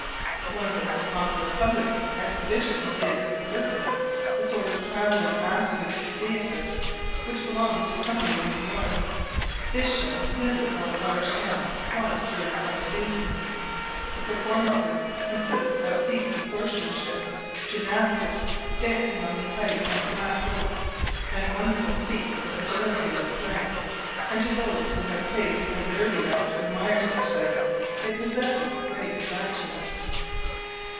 One of the most popular public exhibitions is the circus, a sort of travelling Astley's theatre, which belongs to a company in New York. This show visits all the large towns, once during the summer season. The performances consists of feats of horsemanship, gymnastics, dancing on the tight and slack rope, and wonderful feats of agility and strength; and to those who have taste and nerve enough to admire such sights, it possesses great attractions.